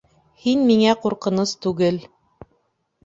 — Һин миңә ҡурҡыныс түгел.